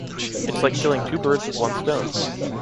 It’s like killing two birds with one stone.